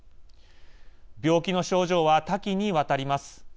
病気の症状は多岐にわたります。